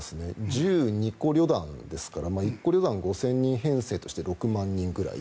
１２個旅団ですから１個旅団５０００人編成として６万人くらい。